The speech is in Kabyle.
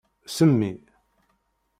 Semmi.